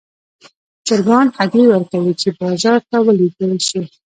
چرګان هګۍ ورکوي چې بازار ته ولېږدول شي.